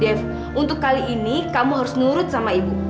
dave untuk kali ini kamu harus nurut sama ibu